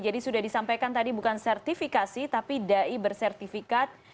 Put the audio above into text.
jadi sudah disampaikan tadi bukan sertifikasi tapi dai bersertifikat